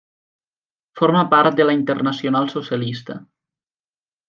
Forma part de la Internacional Socialista.